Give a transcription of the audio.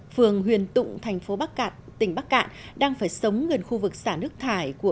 phường huyền tụng thành phố bắc cạn tỉnh bắc cạn đang phải sống gần khu vực xả nước thải của